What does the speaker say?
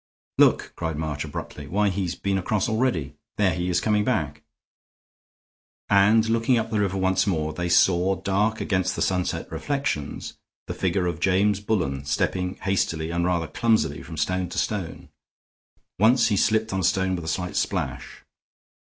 "Look!" cried March, abruptly. "Why, he's been across already. There he is coming back." And, looking up the river once more, they saw, dark against the sunset reflections, the figure of James Bullen stepping hastily and rather clumsily from stone to stone. Once he slipped on a stone with a slight splash.